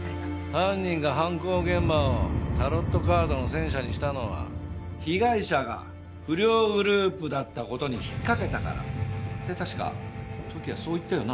犯人が犯行現場をタロットカードの戦車にしたのは被害者が不良グループだった事に引っ掛けたから。って確か時矢そう言ったよな？